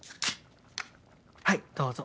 はいどうぞ。